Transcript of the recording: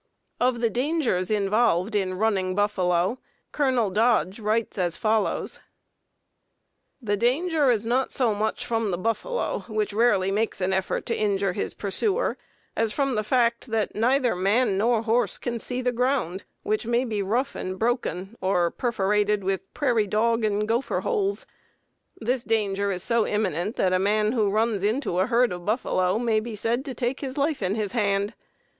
Of the dangers involved in running buffalo Colonel Dodge writes as follows: [Note 52: Plains of the Great West, p. 127.] "The danger is not so much from the buffalo, which rarely makes an effort to injure his pursuer, as from the fact that neither man nor horse can see the ground, which may be rough and broken, or perforated with prairie dog or gopher holes. This danger is so imminent, that a man who runs into a herd of buffalo may be said to take his life in his hand.